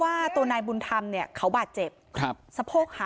ก็เอาออกซิเจนลงไปที่ก้นบ่อใช่มั้ยคะก็เอาออกซิเจนลงไปที่ก้นบ่อใช่มั้ยคะ